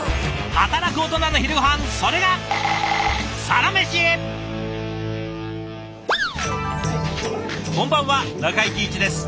働くオトナの昼ごはんそれがこんばんは中井貴一です。